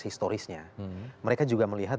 historisnya mereka juga melihat